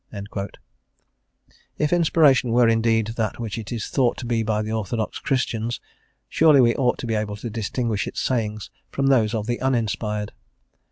* Theodore Parker. If inspiration were indeed that which it is thought to be by the orthodox Christians, surely we ought to be able to distinguish its sayings from those of the uninspired.